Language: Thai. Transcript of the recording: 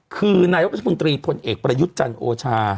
คือนายกรัฐมนตรีพลเอกประยุทธ์จันทร์โอชา